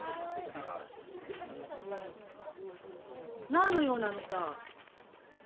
何の用なのさ？